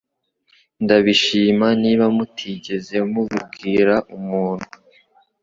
Ndabishima niba mutigeze mubibwira umuntu.